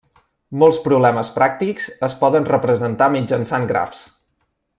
Molts problemes pràctics es poden representar mitjançant grafs.